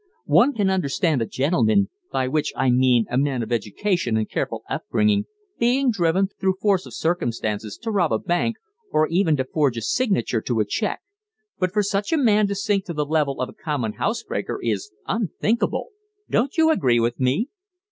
One can understand a gentleman, by which I mean a man of education and careful upbringing, being driven, through force of circumstances, to rob a bank, or even to forge a signature to a cheque; but for such a man to sink to the level of a common housebreaker is unthinkable don't you agree with me?"